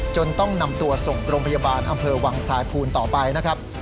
ต้องนำตัวส่งโรงพยาบาลอำเภอวังสายภูนต่อไปนะครับ